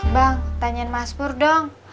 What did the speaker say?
bang tanyain mas pur dong